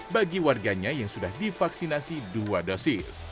bagi warganya yang sudah divaksinasi dua dosis